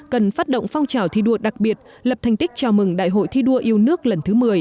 cần phát động phong trào thi đua đặc biệt lập thành tích chào mừng đại hội thi đua yêu nước lần thứ một mươi